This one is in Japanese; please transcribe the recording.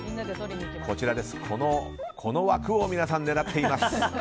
この枠を皆さん狙っています。